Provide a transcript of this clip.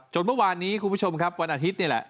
เมื่อวานนี้คุณผู้ชมครับวันอาทิตย์นี่แหละ